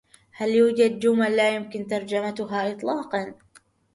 هل يوجد جمل لا يمكن ترجمتها اطلاقاً؟